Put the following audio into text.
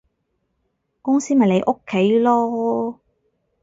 公司咪你屋企囉